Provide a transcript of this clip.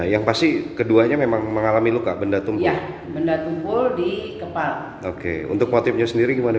yang pasti keduanya memang mengalami luka benda tumpul benda tumpul di kepala oke untuk motifnya sendiri gimana